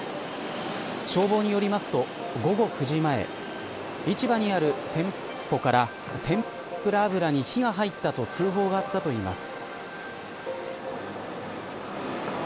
消防によりますと午後９時前市場にある店舗から天ぷら油に火が入ったと通報があったといいます。